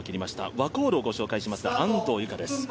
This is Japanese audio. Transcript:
ワコールを御紹介します、安藤友香です。